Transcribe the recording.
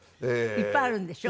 いっぱいあるんでしょ？